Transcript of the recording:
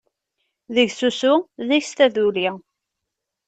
Deg-s usu, deg-s taduli.